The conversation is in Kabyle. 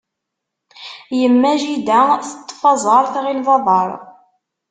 Yemma jida teṭṭef aẓaṛ, tɣil d aḍaṛ.